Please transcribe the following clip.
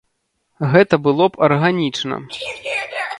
Гэта было б арганічна.